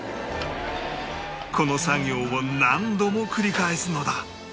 この作業を何度も繰り返すのだ